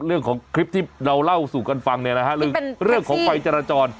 เรื่องของคลิปที่เราเล่าสู่กันฟังเนี่ยนะฮะเรื่องของไฟจราจร